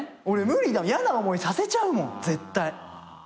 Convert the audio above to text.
俺無理だもんやな思いさせちゃうもん絶対。